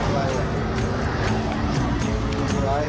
มันเข้ามาเลย